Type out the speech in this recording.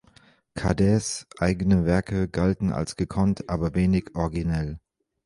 Cades’ eigene Werke galten als gekonnt, aber wenig originell.